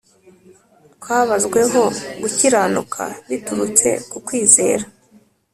twabazweho gukiranuka biturutse ku kwizera